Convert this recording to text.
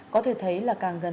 có thể thấy là càng gần